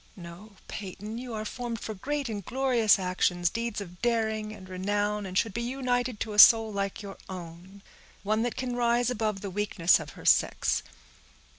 No, Peyton, you are formed for great and glorious actions, deeds of daring and renown, and should be united to a soul like your own; one that can rise above the weakness of her sex.